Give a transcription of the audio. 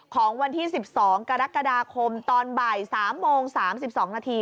ของวันที่๑๒กรกฎาคมตอนบ่าย๓โมง๓๒นาที